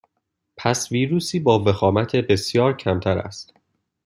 پس ویروسی با وخامت بسیار کمتر است